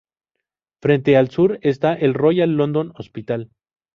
Frente al sur está el Royal London Hospital.